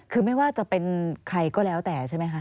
คือไม่ว่าจะเป็นใครก็แล้วแต่ใช่ไหมคะ